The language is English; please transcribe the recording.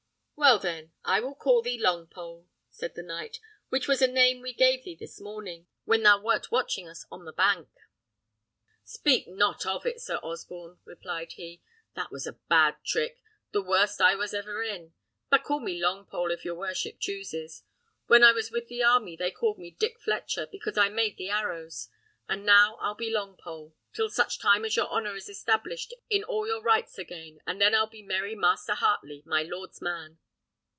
"Well, then, I will call thee Longpole," said the knight, "which was a name we gave thee this morning, when thou wert watching us on the bank." "Speak not of it, Sir Osborne," replied he; "that was a bad trick, the worst I ever was in. But call me Longpole, if your worship chooses. When I was with the army they called me Dick Fletcher, because I made the arrows; and now I'll be Longpole, till such time as your honour Is established in all your rights again; and then I'll be merry Master Heartley, my lord's man."